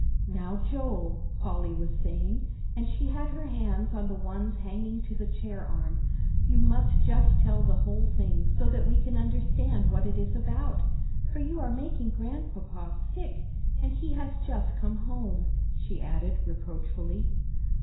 "Now, Joel," Polly was saying, and she had her hands on the ones hanging to the chair arm, "you must just tell the whole thing so that we can understand what it is about, for you are making Grandpapa sick, and he has just come home," she added, reproachfully.